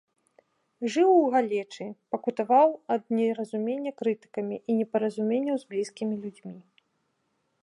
Жыў у галечы, пакутаваў ад неразумення крытыкамі і непаразуменняў з блізкімі людзьмі.